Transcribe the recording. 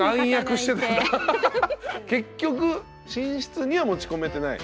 結局寝室には持ち込めてない？